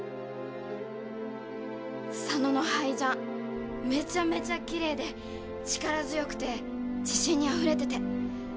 佐野のハイジャンめちゃめちゃ奇麗で力強くて自信にあふれてて。